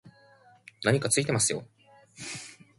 何かついてますよ